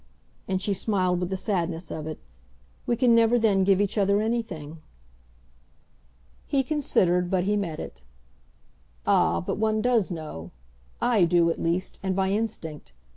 And she smiled with the sadness of it. "We can never then give each other anything." He considered, but he met it. "Ah, but one does know. I do, at least and by instinct.